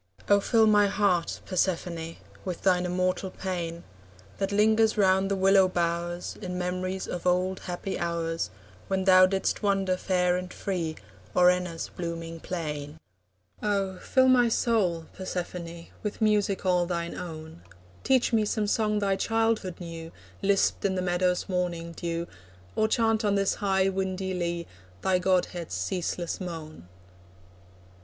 Oh, fill my heart, Persephone, With thine immortal pain, That lingers round the willow bowers In memories of old happy hours, When thou didst wander fair and free O'er Enna's blooming plain. Oh, fill my soul, Persephone, With music all thine own! Teach me some song thy childhood knew, Lisped in the meadow's morning dew, Or chant on this high windy lea, Thy godhead's ceaseless moan.